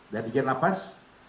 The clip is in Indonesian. dari gen lapas